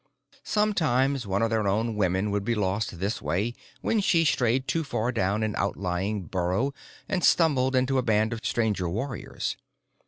Sometimes one of their own women would be lost this way, when she strayed too far down an outlying burrow and stumbled into a band of Stranger warriors.